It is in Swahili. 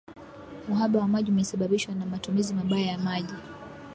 uhaba wa maji umesababishwa na matumizi mabaya ya maji